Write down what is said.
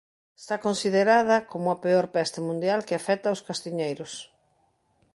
Está considerada como a peor peste mundial que afecta os castiñeiros.